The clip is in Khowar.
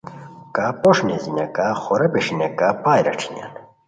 کا پوݰ نیزینیان ،کا خورا پیݰینیان کا پائے راݯھینیان